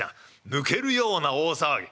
抜けるような大騒ぎ。